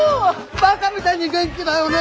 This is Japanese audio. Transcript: バカみたいに元気だよね！